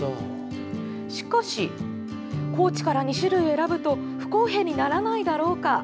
しかし、高知から２種類選ぶと不公平にならないだろうか？